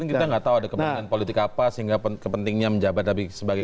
tapi kita tidak tahu ada kembangan politik apa sehingga kepentingnya menjabat dpr lagi